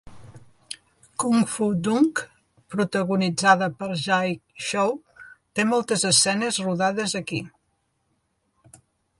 "Kung Fu Dunk", protagonitzada per Jay Chou, té moltes escenes rodades aquí.